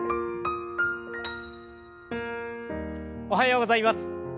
おはようございます。